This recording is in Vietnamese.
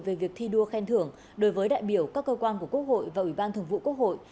về việc thi đua khen thưởng đối với đại biểu các cơ quan của quốc hội và ủy ban thường vụ quốc hội